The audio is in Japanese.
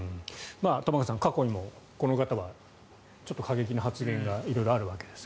玉川さん、過去にもこの方はちょっと過激な発言が色々あるわけです。